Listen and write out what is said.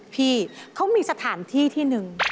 พี่เขามีสถานที่ที่หนึ่ง